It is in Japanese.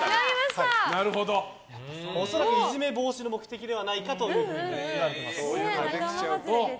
恐らくいじめ防止の目的ではないかとみられています。